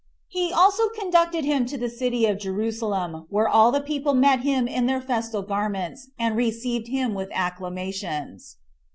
He also conducted him to the city Jerusalem, where all the people met him in their festival garments, and received him with acclamations.